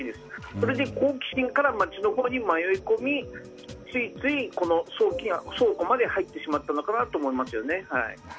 それで好奇心から街のほうに迷い込みついつい、倉庫まで入ってしまったのかなと思います。